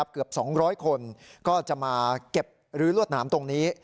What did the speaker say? เกือบ๒๐๐คนก็จะมาเก็บลื้อรวดหนามตรงนี้